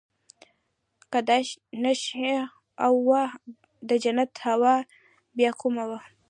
که دا نېشه وه د جنت هوا بيا کومه وه.